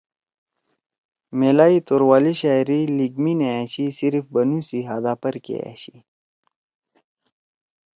میلائی توروالی شاعری لیِگ می نے أشی صرف بنُو سی حدا پرکے أشی۔